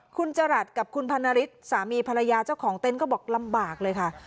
คุณจรัสกับคุณพันนฤทธิ์สามีภรรยาเจ้าของเต็นต์ก็บอกลำบากเลยค่ะ